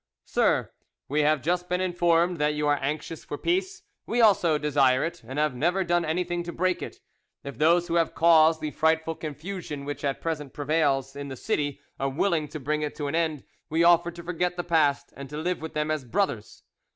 "SIR,—We have just been informed that you are anxious for peace. We also desire it, and have never done anything to break it. If those who have caused the frightful confusion which at present prevails in the city are willing to bring it to an end, we offer to forget the past and to live with them as brothers.